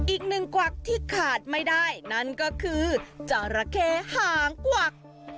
อีกหนึ่งกวักที่ขาดไม่ได้นั่นก็คือจราเข้หางกวัก